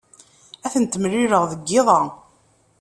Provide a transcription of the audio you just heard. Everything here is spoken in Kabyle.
Ad tent-mlileɣ deg yiḍ-a.